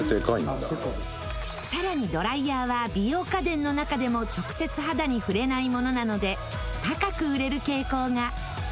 さらにドライヤーは美容家電の中でも直接肌に触れないものなので高く売れる傾向が。